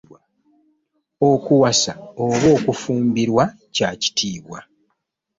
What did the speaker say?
Okuwasa oba okufumbirwa kyakitiibwa.